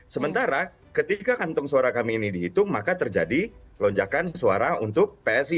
sementara ketika kantong suara kami ini dihitung maka terjadi lonjakan suara untuk psi